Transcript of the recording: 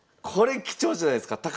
これ貴重じゃないすか？